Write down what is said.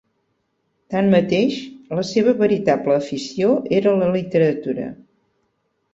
Tanmateix, la seva veritable afició era la literatura.